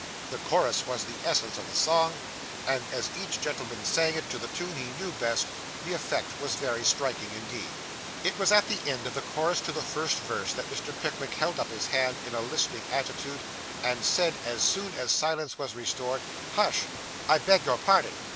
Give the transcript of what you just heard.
The chorus was the essence of the song; and, as each gentleman sang it to the tune he knew best, the effect was very striking indeed. It was at the end of the chorus to the first verse, that Mr. Pickwick held up his hand in a listening attitude, and said, as soon as silence was restored 'Hush! I beg your pardon.